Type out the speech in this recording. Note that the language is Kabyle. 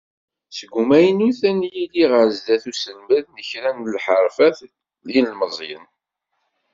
Seg umaynut, ad n-yili ɣer sdat uselmed n kra n lḥerfat i yilemẓiyen.